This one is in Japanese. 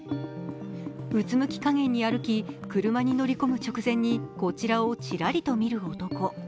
うつむきかげんに歩き、車に乗り込む直前にこちらをちらりと見る男。